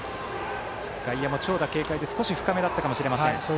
外野も長打警戒で少し深めだったかもしれません。